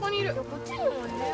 こっちにもいるよ。